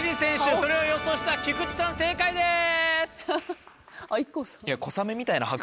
それを予想した菊池さん正解です！